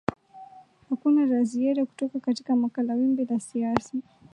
hakuna la ziada kutoka katika makala wimbi la siasa